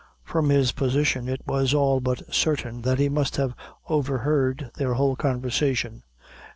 From his position, it was all but certain that he must have overheard their whole conversation.